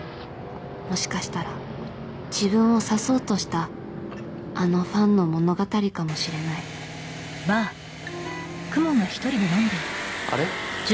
もしかしたら自分を刺そうとしたあのファンの物語かもしれないあれ？